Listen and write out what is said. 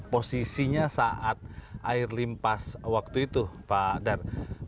posisinya saat air limpas waktu itu pak dar